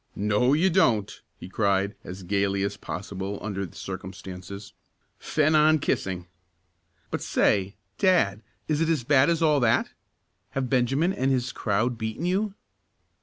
"No, you don't!" he cried as gaily as possible under the circumstances, "fen on kissing. But say, dad, is it as bad as all that? Have Benjamin and his crowd beaten you?"